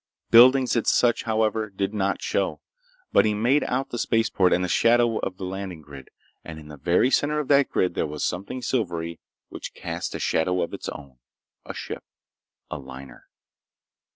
Buildings as such, however, did not show. But he made out the spaceport and the shadow of the landing grid, and in the very center of that grid there was something silvery which cast a shadow of its own. A ship. A liner.